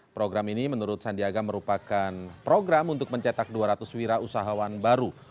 program ini menurut sandiaga merupakan program untuk mencetak dua ratus wira usahawan baru